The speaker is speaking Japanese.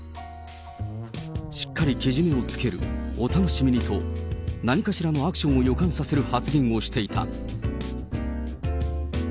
しっかりけじめをつける、お楽しみにと、何かしらのアクションを予感させる発言をしていた。